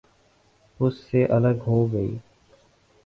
اس سے الگ ہو گئی۔